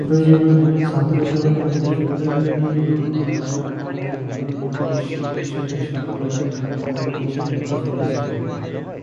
ছাত্রজীবনে তিনি যুদ্ধবিরোধী এবং মানবতার পক্ষে বিভিন্ন বৈশ্বিক ইস্যুতে সক্রিয় আন্দোলনকর্মী হিসেবে পরিচিত ছিলেন।